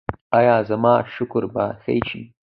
ایا زما شکر به ښه شي؟